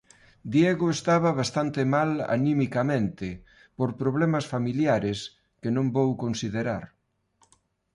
"Diego estaba bastante mal animicamente por problemas familiares que non vou considerar;